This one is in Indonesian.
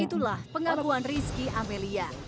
itulah pengakuan rizki amelia